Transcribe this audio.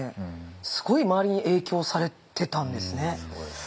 すごい周りに影響されてたんですね。